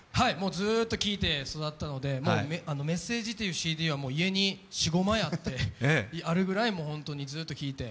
ずっと聴いて育ったので、「メッセージ」というＣＤは家に４５枚あるぐらい、ずっと聴いて。